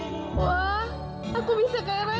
sebanyak ratusan juta